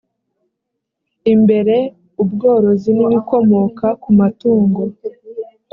imbere ubworozi n ibikomoka ku matungo